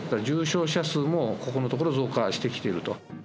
重症者数もここのところ増加してきていると。